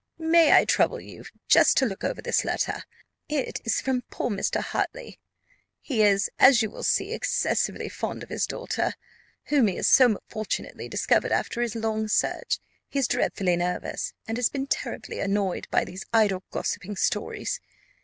"May I trouble you just to look over this letter? It is from poor Mr. Hartley; he is, as you will see, excessively fond of his daughter, whom he has so fortunately discovered after his long search: he is dreadfully nervous, and has been terribly annoyed by these idle gossiping stories.